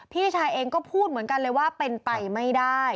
พี่ชายเองก็พูดเหมือนกันเลยว่าเป็นไปไม่ได้